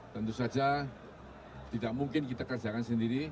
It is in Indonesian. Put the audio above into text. tentu saja tidak mungkin kita kerjakan sendiri